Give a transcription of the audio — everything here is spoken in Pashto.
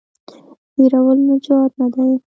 هېرول نجات نه دی.